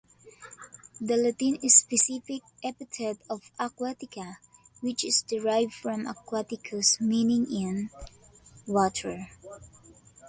The Latin specific epithet of "aquatica" which is derived from "aquaticus" meaning in water.